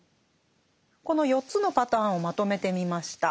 この４つのパターンをまとめてみました。